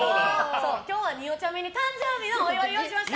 今日は、によちゃみに誕生日のお祝いを用意しました！